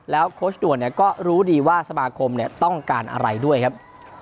แล้วโค้ชด่วนเนี่ยก็รู้ดีว่าสมาคมเนี่ยต้องการอะไรด้วยครับ